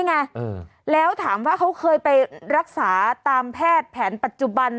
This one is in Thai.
ไงแล้วถามว่าเขาเคยไปรักษาตามแพทย์แผนปัจจุบัน